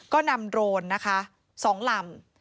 ก็นำโดรนนะคะ๒ลำ